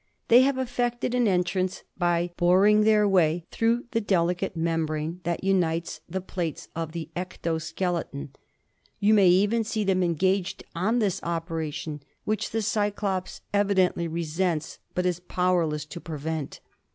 They have effected an entrance by bor ing their way throughthe delicate membrane that unites the plates of the ecto skeleton. You may even see them engaged on this operation, which the cyclops evi dently resents but is powerless to prevent.